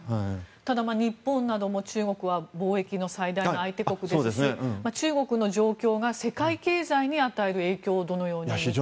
ただ、日本なども中国は貿易の最大の相手国ですし中国の状況が世界経済に与える影響をどのように見ていますか。